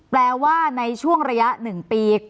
แปลว่าในช่วงระยะ๑ปี